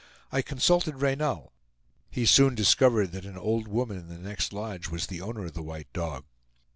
I consulted Reynal; he soon discovered that an old woman in the next lodge was owner of the white dog.